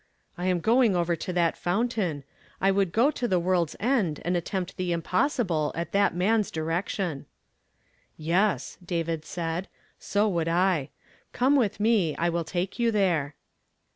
" I am going over to that fountain. I would go to the woi Id's end and attempt tlie impossible at that man s direction." "•Yes," said David; "so would I. Come with me ; I will take you there."